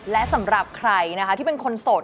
และสำหรับใครนะคะที่เป็นคนโสด